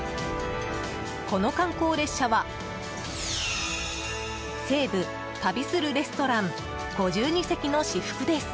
この観光列車は「西武旅するレストラン５２席の至福」です。